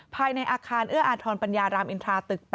ภายในอาคารเอื้ออาทรปัญญารามอินทราตึก๘